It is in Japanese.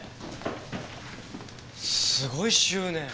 すごい執念。